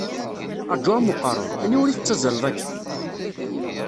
Rǧu am uqerruy, aniwer i tettazzaleḍ akka?